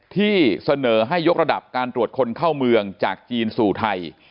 ที่เสนอให้ยกระดับการตรวจคนเข้าเมืองจากจีนสู่ไทย